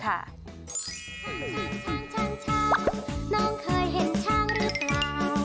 ข้างช้างน้องเคยเห็นช้างหรือเปล่า